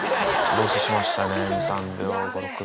ロスしましたね、２、３秒。